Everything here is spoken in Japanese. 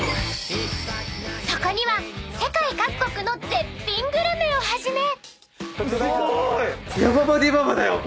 ［そこには世界各国の絶品グルメをはじめ］